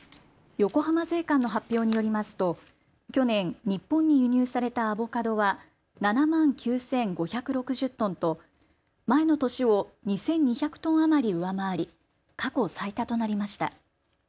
横浜税関の発表によりますと去年、日本に輸入されたアボカドは７万９５６０トンと前の年を２２００トン余り上回り過去最多となりました。